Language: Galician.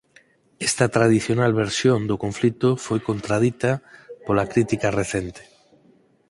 Esta tradicional versión do conflito foi contradita pola crítica recente.